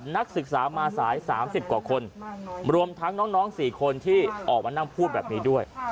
นักศึกษามาสาย๓๐กว่าคนรวมทั้งน้อง๔คนที่ออกมานั่งพูดแบบนี้ด้วย